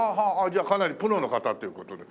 じゃあかなりプロの方っていう事で。